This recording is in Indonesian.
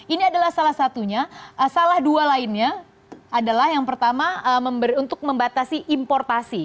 ini adalah salah satunya salah dua lainnya adalah yang pertama untuk membatasi importasi